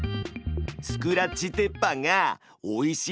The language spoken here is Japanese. スクラッチ鉄板がおいしい